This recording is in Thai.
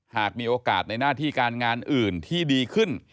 หากมีโอกาสในหน้าที่การงานอื่นที่ดีขึ้น